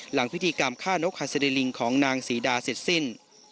หลังพิธีกรรมฆ่านกหัสดีลิงของนางศรีดาเสร็จสิ้น